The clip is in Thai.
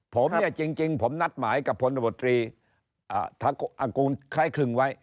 ผมจริงนัดหมายกับพบคลึงไว้